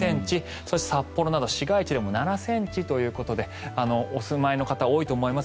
そして札幌など市街地でも７ｃｍということでお住まいの方多いと思います。